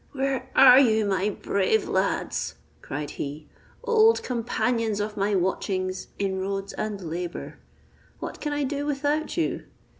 "Where are you, my brave lads," cried he, "old companions of my watchings, inroads, and labour? What can I do without you?